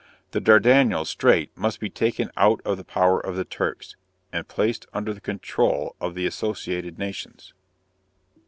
The Dardanelles strait must be taken out of the power of the Turks, and placed under the control of the associated nations.